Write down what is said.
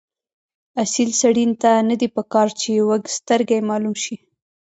اصیل سړي ته نه دي پکار چې وږسترګی معلوم شي.